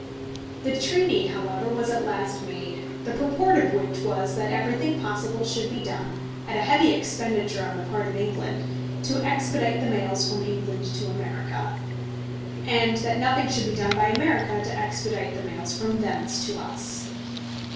The treaty, however, was at last made, the purport of which was, that everything possible should be done, at a heavy expenditure on the part of England, to expedite the mails from England to America, and that nothing should be done by America to expedite the mails from thence to us.